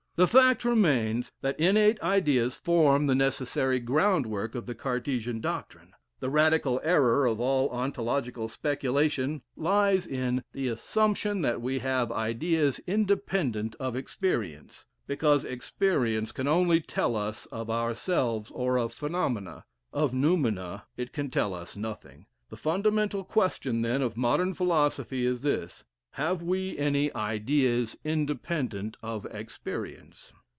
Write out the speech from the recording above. The fact remains that innate ideas form the necessary groundwork of the Cartesian doctrine.... The radical error of all ontological speculation lies in the assumption that we have ideas independent of experience; because experience can only tell us of ourselves or of phenomena; of noumena it can tell us nothing.... The fundamental question, then, of modern philosophy is this Have we any ideas independent of experience?"